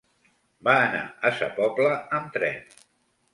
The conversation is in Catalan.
Va anar a Sa Pobla amb tren.